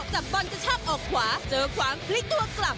จับบอลจะชอบออกขวาเจอขวางพลิกตัวกลับ